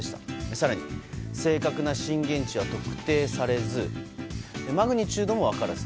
更に、正確な震源地は特定されずマグニチュードも分からず。